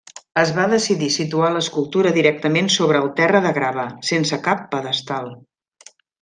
Es va decidir situar l'escultura directament sobre el terra de grava, sense cap pedestal.